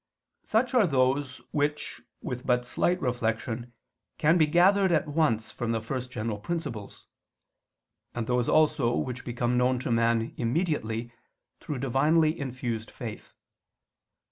Such are those which with but slight reflection can be gathered at once from the first general principles: and those also which become known to man immediately through divinely infused faith.